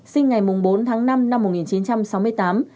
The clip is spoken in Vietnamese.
sinh ngày bốn tháng năm năm một nghìn chín trăm sáu mươi tám